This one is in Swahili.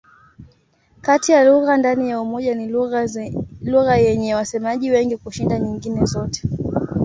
Kati ya lugha ndani ya Umoja ni lugha yenye wasemaji wengi kushinda nyingine zote.